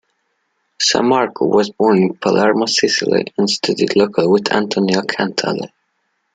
Sammarco was born in Palermo, Sicily, and studied locally with Antonio Cantelli.